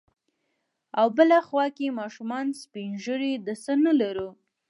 او په بله خوا کې ماشومان، سپين ږيري، د څه نه لرو.